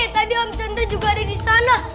tadi am chandra juga ada di sana